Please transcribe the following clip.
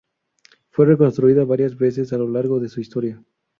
Fue reconstruida varias veces a lo largo de su historia.